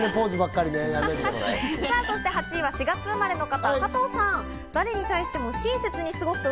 続いては８位４月生まれの方、加藤さん。